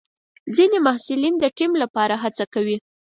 ځینې محصلین د ټیم لپاره هڅه کوي.